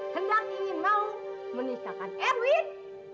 hendak ingin mau menikahkan erwin